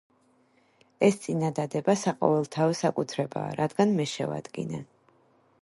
ეს წინადადება საყოველთაო საკუთრებაა, რადგან მე შევადგინე.